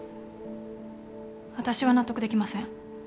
私は納得できません。